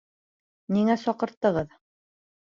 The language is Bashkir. Ниңә саҡырттығыҙ?